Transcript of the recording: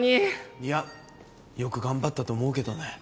いやよく頑張ったと思うけどね。